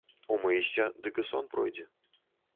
Умыешся, дык і сон пройдзе.